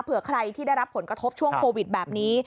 ใครที่ได้รับผลกระทบช่วงโควิดแบบนี้